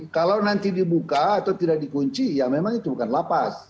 kalau nanti dibuka atau tidak dikunci ya memang itu bukan lapas